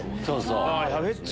そうそう。